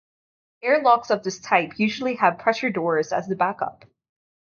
Airlocks of this type usually have pressure doors as a backup.